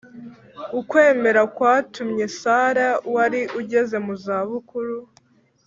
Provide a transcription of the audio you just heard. ukwemera kwatumye sara wari ugeze mu zabukuru